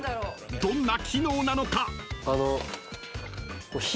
［どんな機能なのか？］